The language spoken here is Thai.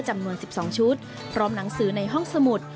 จำนวน๑๒ชุดพร้อมหนังสือในห้องสมุด